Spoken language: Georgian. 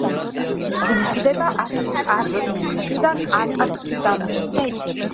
გვხვდება არქტიკიდან ანტარქტიკამდე.